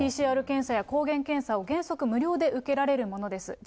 ＰＣＲ検査や抗原検査を原則無料で受けられるものです。